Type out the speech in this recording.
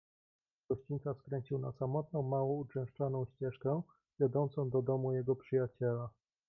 "Z gościńca skręcił na samotną, mało uczęszczaną ścieżkę, wiodącą do domu jego przyjaciela."